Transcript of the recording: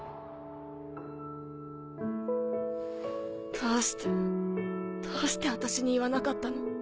どうしてどうして私に言わなかったの？